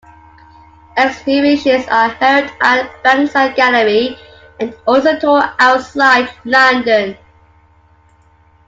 Exhibitions are held at Bankside Gallery and also tour outside London.